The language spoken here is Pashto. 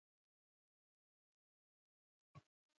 د ستونزې لپاره غلطه تګلاره ټاکل خنډ جوړوي.